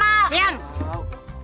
waduh cari lagi sendiri